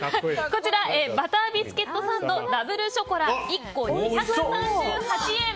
こちらバタービスケットサンドダブルショコラ１個２３８円。